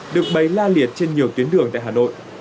được bày la liệt trên nhiều tuyến đường tại hà nội